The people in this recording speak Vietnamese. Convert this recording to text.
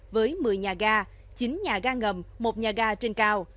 với một mươi nhà ga chín nhà ga ngầm một nhà ga trên cao